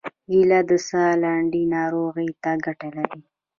کېله د ساه لنډۍ ناروغۍ ته ګټه لري.